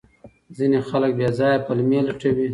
ځینې خلک بې ځایه پلمې لټوي.